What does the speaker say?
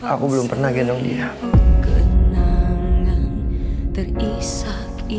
aku belum pernah gendong dia